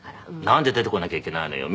「なんで出てこなきゃいけないのよ」